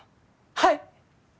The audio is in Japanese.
はい！